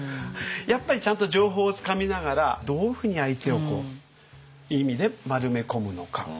やっぱりちゃんと情報をつかみながらどういうふうに相手をいい意味で丸めこむのか。